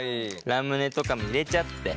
ラムネとかも入れちゃって。